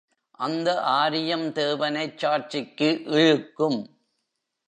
அந்த ஆரியம் தேவனைச் சாட்சிக்கு இழுக்கும்!